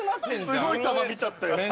すごい球見ちゃったよ。